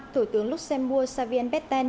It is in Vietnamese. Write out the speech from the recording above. thủ tướng luxembourg xavier petain